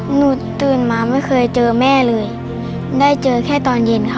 หนูตื่นมาไม่เคยเจอแม่เลยได้เจอแค่ตอนเย็นค่ะ